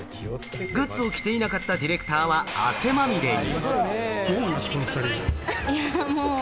グッズを着ていなかったディレクターは汗まみれに。